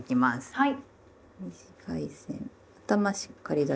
はい。